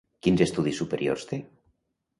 Quins estudis superiors té?